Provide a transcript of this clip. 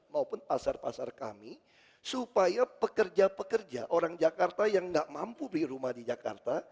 maupun pasar pasar kami supaya pekerja pekerja orang jakarta yang nggak mampu beli rumah di jakarta